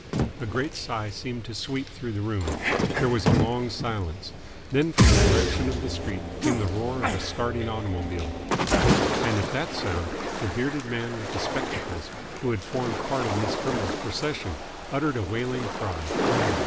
A great sigh seemed to sweep through the room. There was a long silence. Then, from the direction of the street, came the roar of a starting automobile. And at that sound the bearded man with the spectacles who had formed part of Miss Trimble's procession uttered a wailing cry.